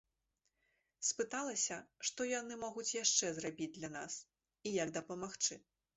Спыталася, што яны могуць яшчэ зрабіць для нас, і як дапамагчы.